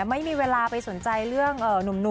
ไม่มีเวลาไปสนใจเรื่องหนุ่ม